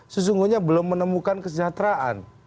sesungguhnya belum menemukan keberagaman